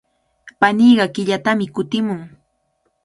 Paniiqa killatami kutimun.